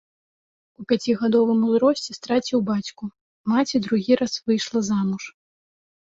У пяцігадовым узросце страціў бацьку, маці другі раз выйшла замуж.